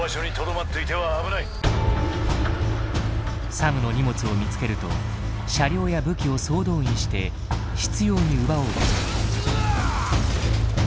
サムの荷物を見つけると車両や武器を総動員して執拗に奪おうとする。